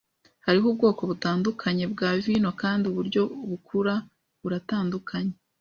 Hariho ubwoko butandukanye bwa vino kandi uburyo bukura buratandukanye.